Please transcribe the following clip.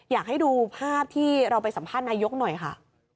อยากให้ดูภาพที่เราไปสัมภาษณ์นายกหน่อยค่ะ